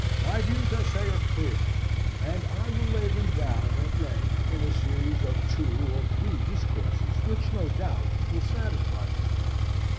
My views, I say, are clear, and I will lay them down at length in a series of two or three discourses which, no doubt, will satisfy you.